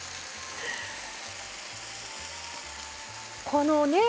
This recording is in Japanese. このね